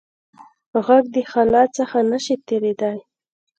غږ د خلا څخه نه شي تېرېدای.